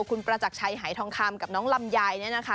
คุณประจักรชัยหายทองคำกับน้องลำไยเนี่ยนะคะ